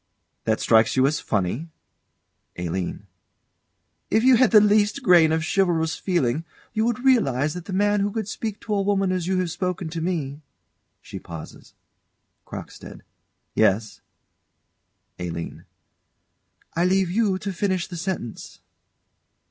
_] That strikes you as funny? ALINE. If you had the least grain of chivalrous feeling, you would realise that the man who could speak to a woman as you have spoken to me [She pauses. CROCKSTEAD. Yes? ALINE. I leave you to finish the sentence.